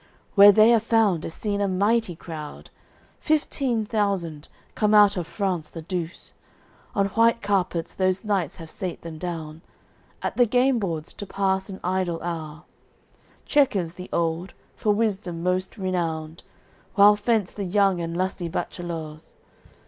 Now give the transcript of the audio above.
Where they are found, is seen a mighty crowd, Fifteen thousand, come out of France the Douce. On white carpets those knights have sate them down, At the game boards to pass an idle hour; Chequers the old, for wisdom most renowned, While fence the young and lusty bachelours.